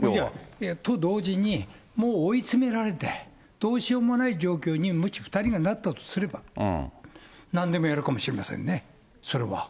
と同時に、もう追い詰められてどうしようもない状況にもし２人がなったとすれば、なんでもやるかもしれませんね、それは。